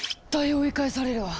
追い返されるわ。